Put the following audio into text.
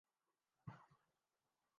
غریب الوطنی کا زہر نہ پینا پڑے